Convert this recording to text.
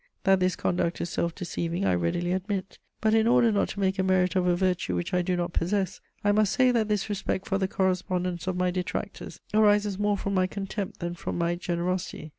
That this conduct is self deceiving I readily admit; but, in order not to make a merit of a virtue which I do not possess, I must say that this respect for the correspondence of my detractors arises more from my contempt than from my generosity.